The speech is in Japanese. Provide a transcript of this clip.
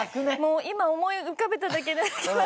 今思い浮かべただけで泣けます。